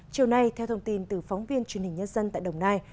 chiều nay theo thông tin từ phóng viên truyền hình nhân dân tại đồng nai